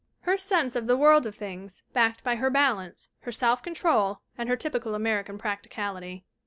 Her sense of the world of things backed by her balance, her self control and her typical Amer ican practicality."